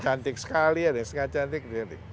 cantik sekali ada yang sengaja cantik